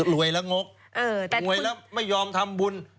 ลวยแล้วงกไม่ยอมทำบุญ